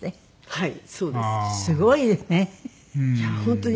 はい。